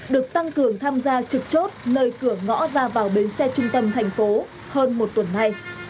được tăng cường tham gia trực chốt nơi cửa ngõ ra vào bến xe trung tâm thành phố hơn một tuần nay